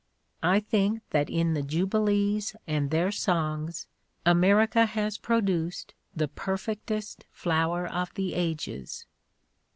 I think that in the jubilees and their songs America has produced the perf ectest flower of the ages.